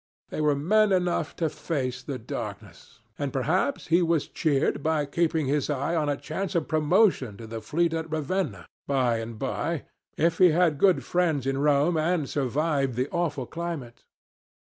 They were men enough to face the darkness. And perhaps he was cheered by keeping his eye on a chance of promotion to the fleet at Ravenna by and by, if he had good friends in Rome and survived the awful climate.